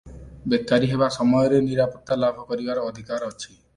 ବେକାରି ହେବା ସମୟରେ ନିରାପତ୍ତା ଲାଭ କରିବାର ଅଧିକାର ଅଛି ।